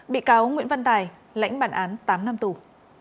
bị cáo nguyễn văn tài lãnh bản án tám năm tù